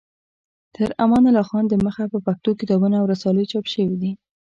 تر امان الله خان د مخه په پښتو کتابونه او رسالې چاپ شوې دي.